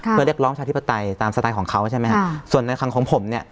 เพื่อเรียกร้องประชาธิปไตยตามสไตล์ของเขาใช่ไหมฮะส่วนในครั้งของผมเนี่ย